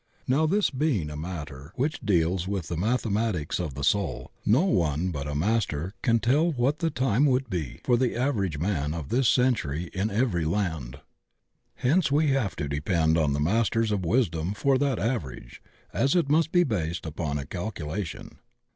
Now this being a matter which deals with the mathematics of the soul, no one but a Master can tell what the time would be for the average man of this century in every land. Hence we have to depend on the Masters of wisdom for that average, as it must be based upon a calcula tion.